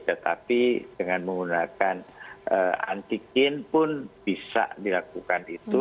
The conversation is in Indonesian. tetapi dengan menggunakan antigen pun bisa dilakukan itu